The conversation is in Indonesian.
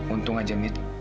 untung aja mit